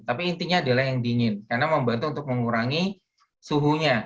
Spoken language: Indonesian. tapi intinya adalah yang dingin karena membantu untuk mengurangi suhunya